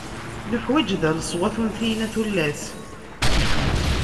Neḥwaǧ da leṣwat untiyen a tullas!